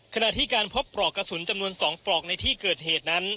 ขณะที่การพบปลอกกระสุนจำนวน๒ปลอกในที่เกิดเหตุนั้น